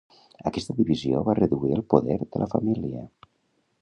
Aquesta divisió va reduir el poder de la família.